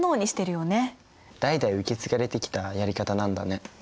代々受け継がれてきたやり方なんだね。